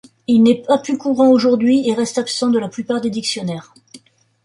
Il n'est pas plus courant aujourd'hui, et reste absent de la plupart des dictionnaires.